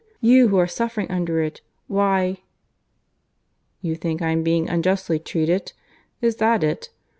You who are suffering under it! Why " "You think I'm being unjustly treated? Is that it?